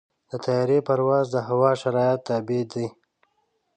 د طیارې پرواز د هوا د شرایطو تابع دی.